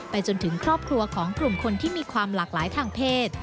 จนถึงครอบครัวของกลุ่มคนที่มีความหลากหลายทางเพศ